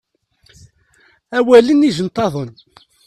Awalen ijenṭaḍen.